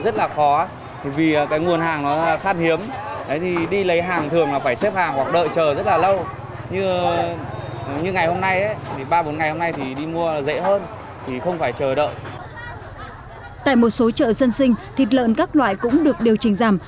tại một số chợ dân sinh thịt lợn các loại cũng được điều chỉnh giảm